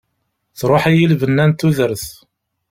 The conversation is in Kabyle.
Truḥ-iyi lbenna n tudert.